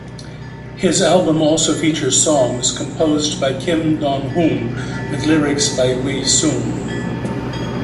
His album also features songs composed by Kim Do Hoon with lyrics by Wheesung.